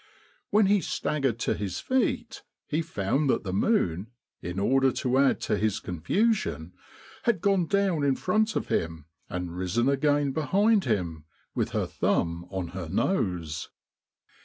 When he staggered to his feet he found that the moon, in order to add to his confusion, had gone down in front of him, and risen again behind him, with her thumb on her nose.